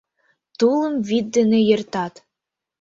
Тулым вӱд дене йӧртат.